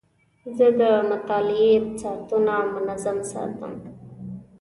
زه د مطالعې ساعتونه منظم ساتم.